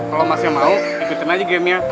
kalau masih mau ikutin aja gamenya